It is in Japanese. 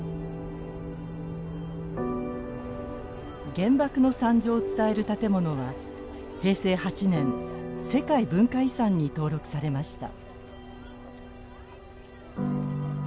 原爆の惨状を伝える建物は平成８年世界文化遺産に登録されました。